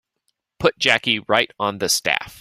Put Jackie right on the staff.